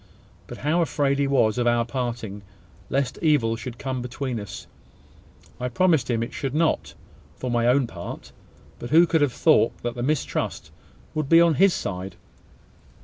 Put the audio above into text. But how afraid he was of our parting, lest evil should come between us! I promised him it should not, for my own part: but who could have thought that the mistrust would be on his side?